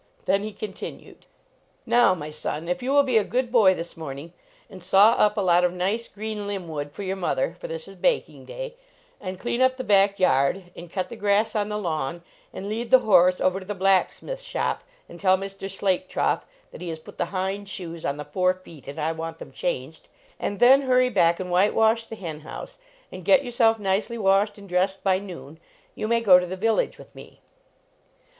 Then he con tinued : "Now, my son, if you will be a good boy this morning, and saw up a lot of nice green limb wood for your mother for this is baking day and clean up the back yard, and cut the grass on the lawn, and lead the horse over to the blacksmith shop and tell Mr. Slaketroff that he has put the hind shoes on the fore feet and I want them changed, and then hurry back and whitewash the hen house, and get yourself nicely washed and dressed by noon, you may go to the village with me."